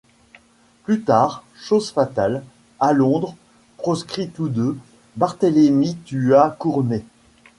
Plus tard, chose fatale, à Londres, proscrits tous deux, Barthélemy tua Cournet.